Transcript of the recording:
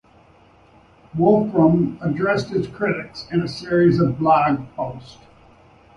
Wolfram addressed his critics in a series of blog posts.